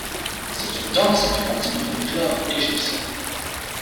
C'est une danse qui fait partie du folklore égyptien.